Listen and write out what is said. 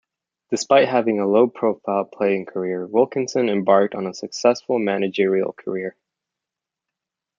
Despite having a low-profile playing career, Wilkinson embarked on a successful managerial career.